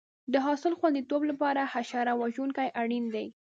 د حاصل خوندیتوب لپاره حشره وژونکي اړین دي.